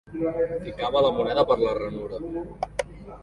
Ficava la moneda per la ranura.